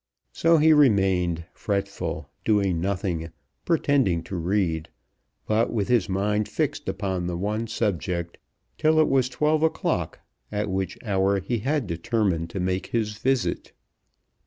So he remained, fretful, doing nothing, pretending to read, but with his mind fixed upon the one subject, till it was twelve o'clock, at which hour he had determined to make his visit.